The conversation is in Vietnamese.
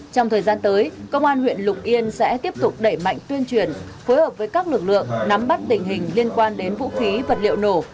trong thời gian tới công an huyện lục yên sẽ tiếp tục đẩy mạnh tuyên truyền phối hợp với các lực lượng nắm bắt tình hình liên quan đến vũ khí vật liệu nổ